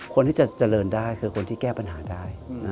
คนที่จะเจริญได้คือคนที่แก้ปัญหาได้